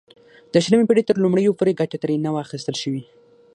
د شلمې پېړۍ تر لومړیو پورې ګټه ترې نه وه اخیستل شوې.